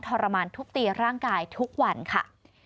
ทรมานทุบตีร่างกายทุกวันค่ะ